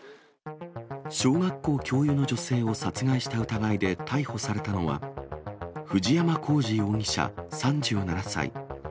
小学校教諭の女性を殺害した疑いで逮捕されたのは、藤山功至容疑者３７歳。